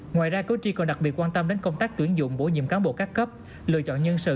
ngoài ra cử tri còn đặc biệt quan tâm đến công tác tuyển dụng bổ nhiệm cán bộ các cấp lựa chọn nhân sự